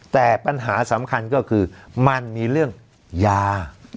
แต่ปัญหาสำคัญก็คือมันมีเรื่องยา